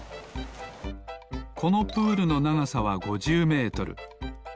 このプールのながさは５０メートル。